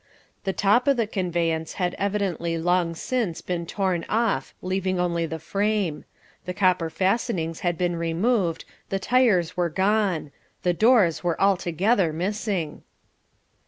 The top of the conveyance had evidently long since been torn off leaving, only the frame: the copper fastenings had been removed: the tires were gone: the doors were altogether missing.